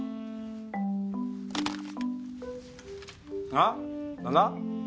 あぁ？何だ？